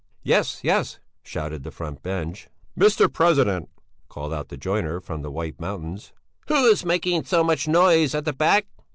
"Yes, yes!" shouted the front bench. "Mr. President!" called out the joiner from the White Mountains. "Who is making so much noise at the back?"